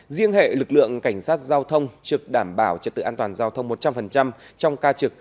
riêng hệ lực lượng cảnh sát giao thông trực đảm bảo trật tự an toàn giao thông một trăm linh trong ca trực